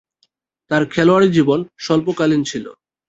তার খেলোয়াড়ী জীবন স্বল্পকালীন ছিল।